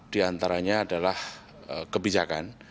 di antaranya adalah kebijakan